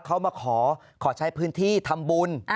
เขามาขอใช้พื้นที่ทำบุญ